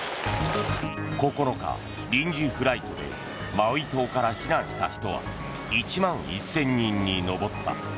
９日、臨時フライトでマウイ島から避難した人は１万１０００人に上った。